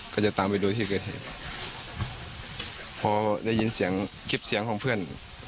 ก็จะตามไปดูที่เกิดเหตุพอได้ยินเสียงคลิปเสียงของเพื่อน